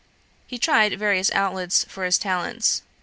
He tried various outlets for his talents.